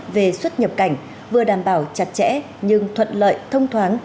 về xuất nhập cảnh vừa đảm bảo chặt chẽ nhưng thuận lợi thông thoáng